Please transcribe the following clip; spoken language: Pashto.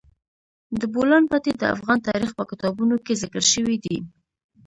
د بولان پټي د افغان تاریخ په کتابونو کې ذکر شوی دي.